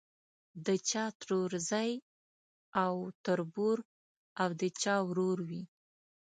د چا ترورزی او تربور او د چا ورور وي.